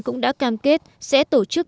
cũng đã cam kết sẽ tổ chức